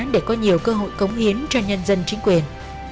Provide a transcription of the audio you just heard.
để có nhiều cơ hội cống hiến cho nhân dân chính quyền